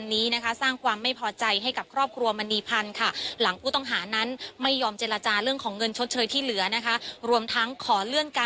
ติดตามพร้อมกันค่ะ